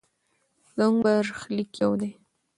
زموږ برخلیک یو دی.